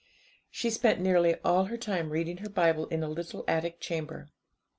She spent nearly all her time reading her Bible in a little attic chamber.